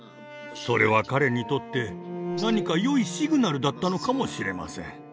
それは彼にとって何かよいシグナルだったのかもしれません。